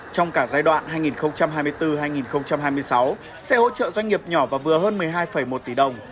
trong cả giai đoạn hai nghìn hai mươi bốn hai nghìn hai mươi sáu sẽ hỗ trợ doanh nghiệp nhỏ và vừa hơn một mươi hai một tỷ đồng